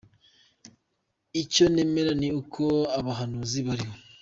Icyo nemera ni uko abahanuzi bariho